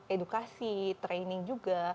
edukasi training juga